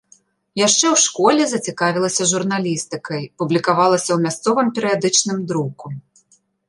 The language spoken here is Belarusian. Яшчэ ў школе зацікавілася журналістыкай, публікавалася ў мясцовым перыядычным друку.